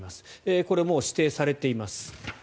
これ、もう指定されています。